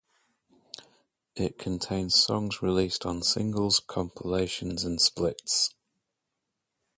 It contains songs released on singles, compilations and splits.